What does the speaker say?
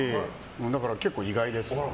だから結構、意外ですよね。